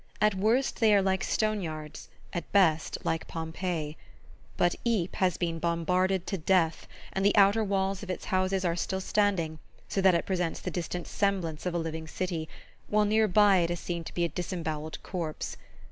At worst they are like stone yards, at best like Pompeii. But Ypres has been bombarded to death, and the outer walls of its houses are still standing, so that it presents the distant semblance of a living city, while near by it is seen to be a disembowelled corpse.